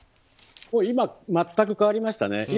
今、全く変わりましたね。